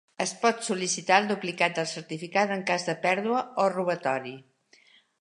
Es pot sol·licitar el duplicat del certificat en cas de pèrdua o robatori.